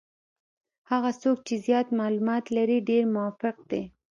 هغه څوک چې زیات معلومات لري ډېر موفق دي.